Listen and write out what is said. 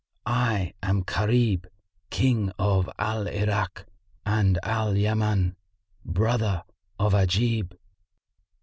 I am Gharib, King of Al Irak and Al Yaman, brother of Ajib."